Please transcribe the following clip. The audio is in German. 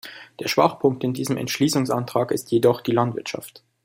Der Schwachpunkt in diesem Entschließungsantrag ist jedoch die Landwirtschaft.